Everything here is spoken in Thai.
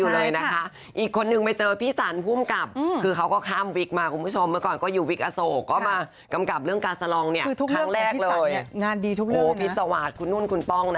แล้วบอกให้ค่อยพอดลมหายใจลูก